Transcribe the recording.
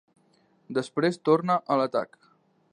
Després torna a l'atac.